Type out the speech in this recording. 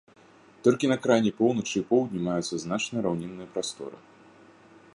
Толькі на крайняй поўначы і поўдні маюцца значныя раўнінныя прасторы.